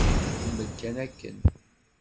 Kemmel kan akken.